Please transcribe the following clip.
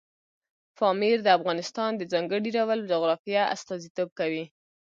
پامیر د افغانستان د ځانګړي ډول جغرافیه استازیتوب کوي.